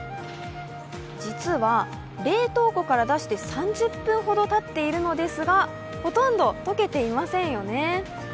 実は冷凍庫から出して３０分ほど経っているのですが、ほとんど溶けていませんよね。